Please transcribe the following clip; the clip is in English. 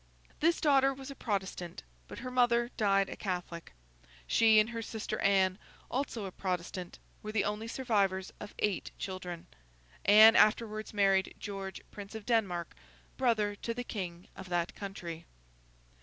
This daughter was a Protestant, but her mother died a Catholic. She and her sister Anne, also a Protestant, were the only survivors of eight children. Anne afterwards married George, Prince of Denmark, brother to the King of that country.